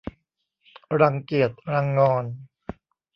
รังเกียจรังงอน